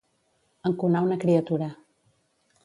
Enconar una criatura.